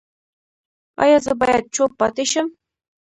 ایا زه باید چوپ پاتې شم؟